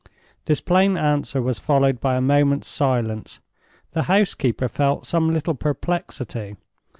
This plain answer was followed by a moment's silence. The housekeeper felt some little perplexity.